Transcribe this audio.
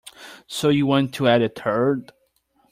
So you want to add a third?